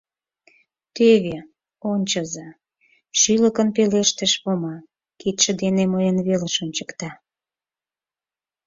— Тӧвӧ, ончыза, — шӱлыкын пелештыш Вома, кидше дене мыйын велыш ончыкта.